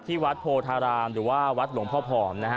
ที่วัดโพธารามหรือว่าวัดหลวงพ่อผอมนะฮะ